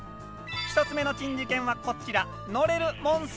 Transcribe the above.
１つ目の珍事件はこちら！